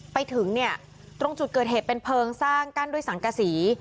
ไปถึงเนี่ยตรงจุดเกิดเหตุเป็นเพลิงสร้างกั้นด้วยสังกษี